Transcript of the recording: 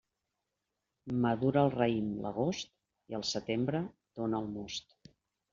Madura el raïm l'agost, i el setembre dóna el most.